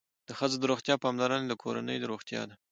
د ښځو د روغتیا پاملرنه د کورنۍ روغتیا ده.